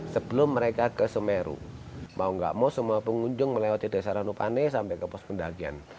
sebelum mereka ke semeru mau gak mau semua pengunjung melewati desa ranupane sampai ke pos pendakian